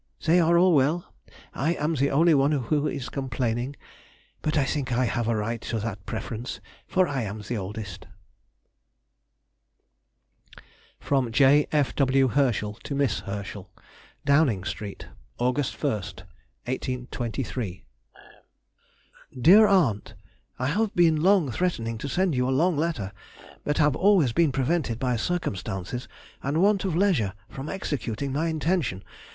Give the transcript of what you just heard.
They are all well; I am the only one who is complaining, but I think I have a right to that preference, for I am the oldest. [Sidenote: 1823. Letter from J. F. W. Herschel.] FROM J. F. W. HERSCHEL TO MISS HERSCHEL. DOWNING STREET, August 1, 1823. DEAR AUNT,— I have been long threatening to send you a long letter, but have always been prevented by circumstances and want of leisure from executing my intention.